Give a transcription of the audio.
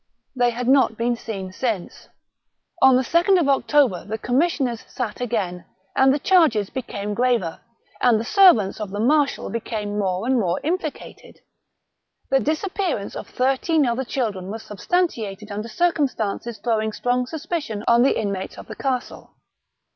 They had not been seen since. On the 2nd October the commissioners sat again, and the charges became graver, and the servants of the marshal became more and more implicated. The disappearance of thirteen other children was substantiated under circumstances throwing strong suspicion on the inmates of the castle.